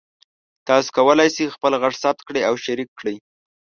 تاسو کولی شئ خپل غږ ثبت کړئ او شریک کړئ.